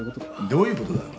どういうことだよ？